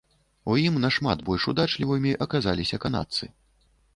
У ім нашмат больш удачлівымі аказаліся канадцы.